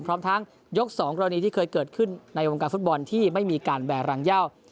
พร้อมทั้งยก๒กรณีที่เคยเกิดขึ้นในวงการฟุตบอลที่ไม่มีการแบร์รังเย่า